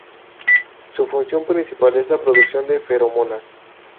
Su función principal es la producción de feromonas.